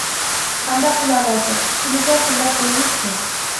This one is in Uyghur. قانداق قىلالايتتۇق، ئىچىمىزدە تىللاپ قويىمىز شۇ.